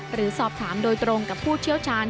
หรือสอบถามโดยตรงกับผู้เชี่ยวชาญ